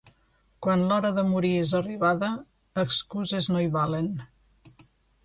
Quan l'hora de morir és arribada, excuses no hi valen.